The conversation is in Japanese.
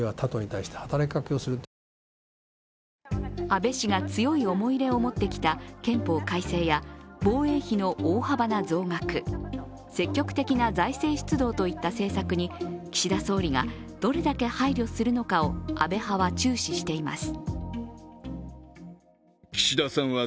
安倍氏が強い思い入れを持ってきた憲法改正や防衛費の大幅な増額、積極的な財政出動といった政策に岸田総理がどれだけ配慮するのかを安倍派は注視しています。